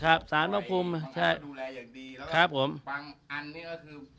ครับสารพระภูมิใช่ดูแลอย่างดีครับผมอันเนี้ยก็คือ